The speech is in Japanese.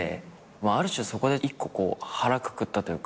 ある種そこで一個腹くくったというか。